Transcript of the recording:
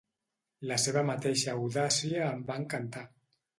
La seva mateixa audàcia em va encantar.